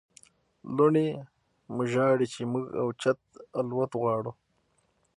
لوڼې مو ژاړي چې موږ اوچت الوت غواړو.